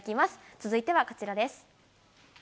続いてはこちらです。